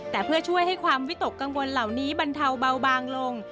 แต่เพื่อช่วยให้ความวิตกกังวลเหล่านี้บรรเทาเบาบางลง